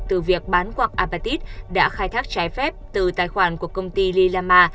từ việc bán quặng apartheid đã khai thác trái phép từ tài khoản của công ty lillama